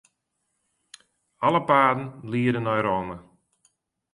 Alle paden liede nei Rome.